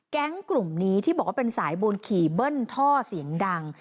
แก๊งกลุ่มนี้ที่บอกว่าเป็นสายบุญขี่เบิ้ลท่อเสียงดัง